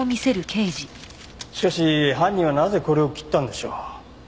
しかし犯人はなぜこれを切ったんでしょう？